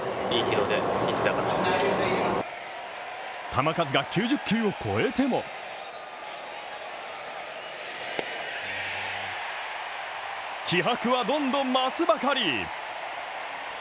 球数が９０球を超えても気迫はどんどん増すばかり。